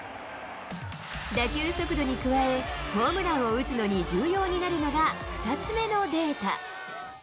打球速度に加え、ホームランを打つのに重要になるのが２つ目のデータ。